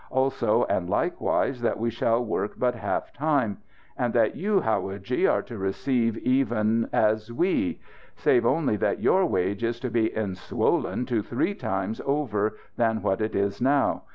Also and likewise that we shall work but half time. And that you, howadji, are to receive even as we; save only that your wage is to be enswollen to three times over than what it is now.